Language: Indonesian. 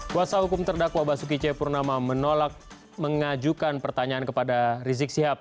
kuasa hukum terdakwa basuki cepurnama menolak mengajukan pertanyaan kepada rizik sihab